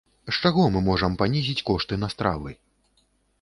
З чаго мы можам панізіць кошты на стравы?